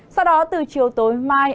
sau đó từ chiều tối mai